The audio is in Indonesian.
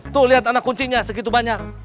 tuh lihat anak kuncinya segitu banyak